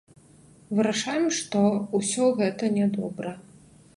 Вырашаем, што ўсё гэта нядобра.